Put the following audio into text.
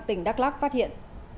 tỉnh đắk lắc phát hiện